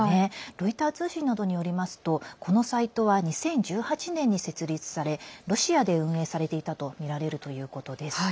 ロイター通信などによりますとこのサイトは２０１８年に設立されロシアで運営されていたとみられるということです。